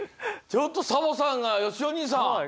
ちょっとサボさんがよしおにいさん！